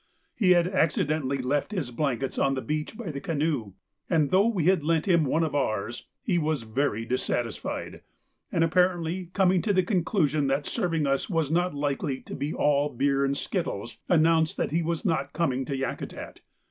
He had accidentally left his blankets on the beach by the canoe, and though we had lent him one of ours, he was very dissatisfied, and apparently coming to the conclusion that serving us was not likely to be all beer and skittles, announced that he was not coming to Yakutat.